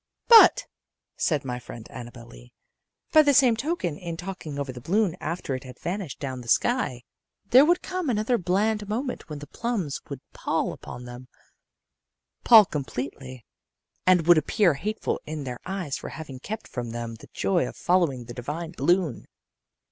"But," said my friend Annabel Lee, "by the same token, in talking over the balloon after it had vanished down the sky, there would come another bland moment when the plums would pall upon them pall completely, and would appear hateful in their eyes for having kept from them the joy of following the divine balloon.